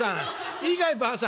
いいかいばあさん」。